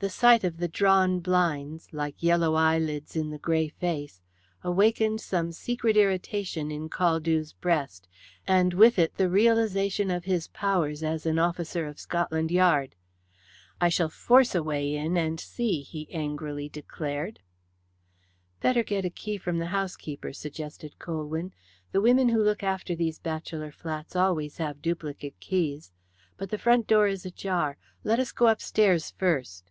The sight of the drawn blinds, like yellow eyelids in the grey face, awakened some secret irritation in Caldew's breast, and with it the realization of his powers as an officer of Scotland Yard. "I shall force a way in and see," he angrily declared. "Better get a key from the housekeeper," suggested Colwyn. "The women who look after these bachelor flats always have duplicate keys. But the front door is ajar. Let us go upstairs first."